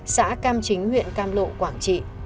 xã cam chính huyện cam lộ quảng trị